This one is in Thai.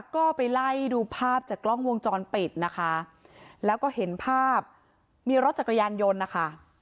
ก็ไปไล่ดูภาพจากกล้องวงจรปิดนะคะแล้วก็เห็นภาพมีรถจักรยานยนต์นะคะ